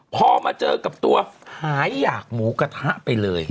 พอมาเจอกับตัวหายอยากหมูกระทะไปเลย